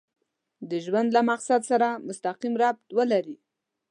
د ژوند له مقصد سره مسقيم ربط ولري.